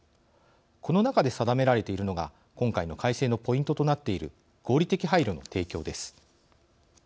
この中で定められているのが今回の改正のポイントとなっている合理的配慮の提供です。